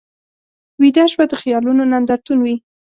ویده شپه د خیالونو نندارتون وي